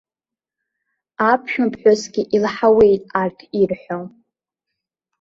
Аԥшәмаԥҳәысгьы илаҳауеит арҭ ирҳәо.